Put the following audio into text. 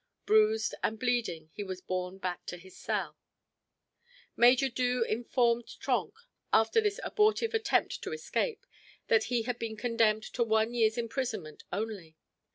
Bruised and bleeding he was borne back to his cell. Major Doo informed Trenck, after this abortive attempt to escape, that he had been condemned to one year's imprisonment only.